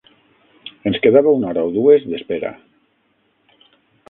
Ens quedava una hora o dues d'espera.